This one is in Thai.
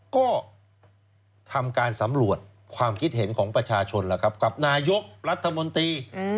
ก็ทำการสำรวจความคิดเห็นของประชาชนแล้วครับกับนายกรัฐมนตรี